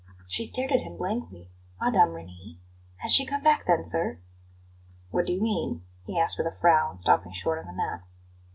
She stared at him blankly "Mme. Reni? Has she come back, then, sir?" "What do you mean?" he asked with a frown, stopping short on the mat.